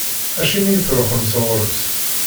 Acimi i truḥem ɣur-s.